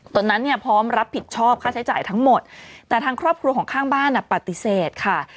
ตอนนั้นเนี่ยพร้อมรับผิดชอบค่าใช้จ่ายทั้งหมดแต่ทางครอบครัวของข้างบ้านปฏิเสธค่ะ